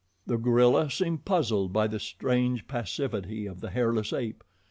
The gorilla seemed puzzled by the strange passivity of the hairless ape.